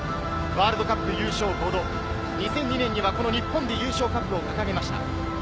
ワールドカップ優勝は５度、２００２年にはこの日本で優勝カップを掲げました。